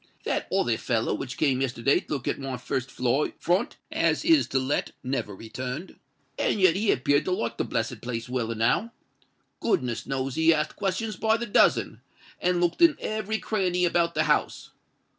That other feller which came yesterday to look at my first floor front as is to let, never returned. And yet he appeared to like the blessed place well enow. Goodness knows he asked questions by the dozen, and looked in every cranny about the house.